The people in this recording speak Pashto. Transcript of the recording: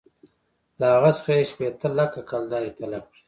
له هغه څخه یې شپېته لکه کلدارې طلب کړې.